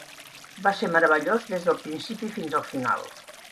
Va ser meravellós des del principi fins al final.